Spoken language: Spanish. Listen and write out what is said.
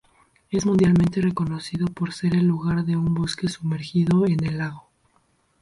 Es mundialmente reconocido por ser el lugar de un bosque sumergido en el lago.